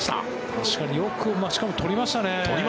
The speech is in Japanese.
確かによくしかもとりましたね。